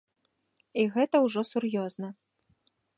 І гэта ўжо сур'ёзна.